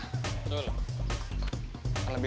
kan lebih mudah lagi buat cari dia